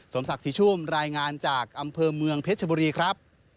สมศักดิ์ศรีชุ่มรายงานจากอำเภอเมืองเพชรบุรีครับ